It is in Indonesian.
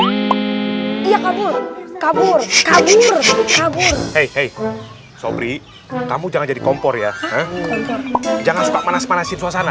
hehehe kabur kabur kabur hei hei sobri kamu jangan jadi kompor ya jangan suka manas manasin suasana